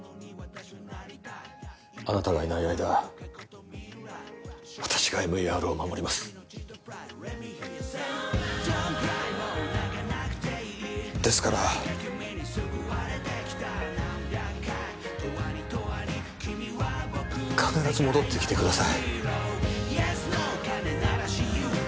あなたがいない間私がＭＥＲを守りますですから必ず戻ってきてください